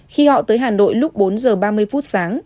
khi họ tới hà nội lúc bốn giờ ba mươi phút sáng